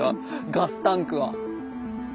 ガスタンクは。